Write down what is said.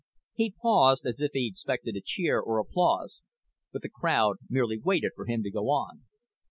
He paused as if he expected a cheer, or applause, but the crowd merely waited for him to go on.